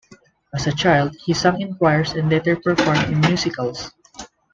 As a child, she sang in choirs and later performed in musicals.